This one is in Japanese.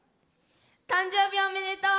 誕生日おめでとう！